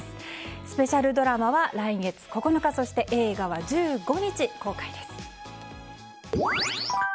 スペシャルドラマは来月９日そして映画は１５日公開です。